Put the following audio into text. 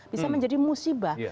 bisa menjadi musibah